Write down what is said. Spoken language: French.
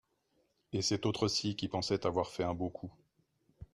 Et cet autre-ci qui pensait avoir fait un beau coup.